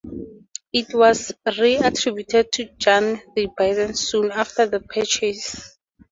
It was reattributed to Jan de Baen soon after the purchase.